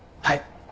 はい。